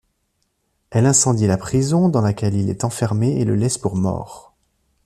Elle incendie la prison dans laquelle il est enfermé et le laisse pour mort.